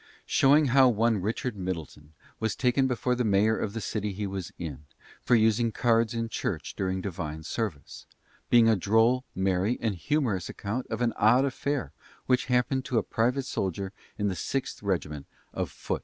Showing how one Richard Middleton was taken before the Mayor of the City he was in, for using cards in church during divine service; being a droll, merry, and humourous account of an odd affair that happened to a private soldier in the 6th Regiment of Foot.